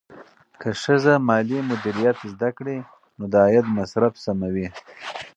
که ښځه مالي مدیریت زده کړي، نو د عاید مصرف سموي.